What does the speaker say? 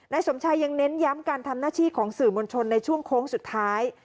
สมชายยังเน้นย้ำการทำหน้าที่ของสื่อมวลชนในช่วงโค้งสุดท้าย